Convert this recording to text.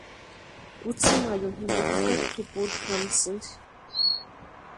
Kutsï mayuni jimpo jukati tʼurupuri jamasïnti.